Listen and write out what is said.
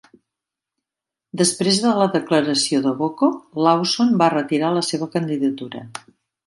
Després de la declaració de Boko, Lawson va retirar la seva candidatura.